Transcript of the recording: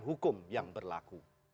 hukum yang berlaku